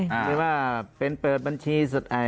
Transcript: หรือว่าเป็นเปิดบัญชีสุด